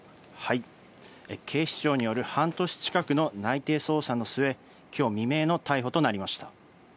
警視庁による半年近くの内偵捜査の末、きょう未明の逮捕となりました。